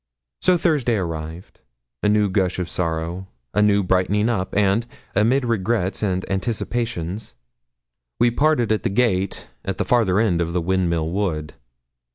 So Thursday arrived a new gush of sorrow a new brightening up and, amid regrets and anticipations, we parted at the gate at the farther end of the Windmill Wood.